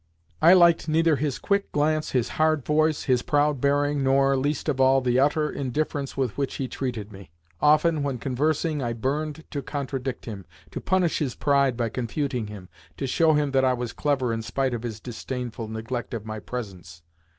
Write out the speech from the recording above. I liked neither his quick glance, his hard voice, his proud bearing, nor (least of all) the utter indifference with which he treated me. Often, when conversing, I burned to contradict him, to punish his pride by confuting him, to show him that I was clever in spite of his disdainful neglect of my presence.